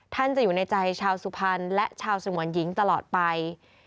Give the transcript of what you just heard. ท่านจะอยู่ในใจชาวสุพรรณและชาวสงวนหญิงตลอดไป